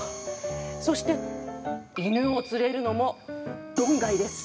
そして犬を連れるのも論外です。